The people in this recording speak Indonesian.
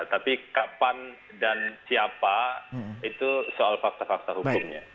tapi kapan dan siapa itu soal fakta fakta hukumnya